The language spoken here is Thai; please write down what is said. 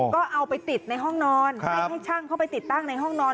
ก็เอาไปติดในห้องนอนไม่ให้ช่างเข้าไปติดตั้งในห้องนอน